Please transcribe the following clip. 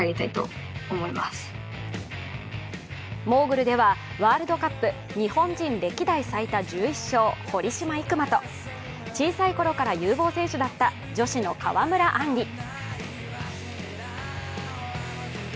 モーグルではワールドカップ日本人歴代最多１１勝、堀島行真と小さいころから有望選手だった女子の川村あんり。